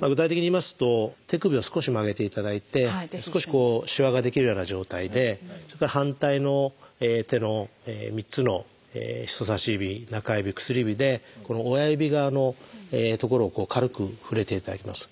具体的にいいますと手首を少し曲げていただいて少ししわが出来るような状態でそれから反対の手の３つの人さし指中指薬指で親指側の所を軽く触れていただきます。